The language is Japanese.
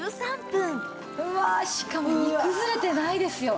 うわしかも煮崩れてないですよ。